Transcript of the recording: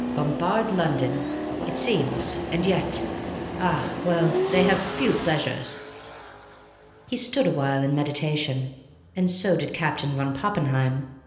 "Bombard London! It seems and yet ah, well, they have few pleasures." He stood awhile in meditation. So did Captain von Poppenheim.